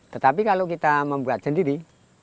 tetapi kalau kita membuat sendiri